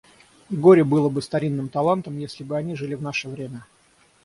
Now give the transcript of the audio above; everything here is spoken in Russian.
Горе было бы старинным талантам, если бы они жили в наше время.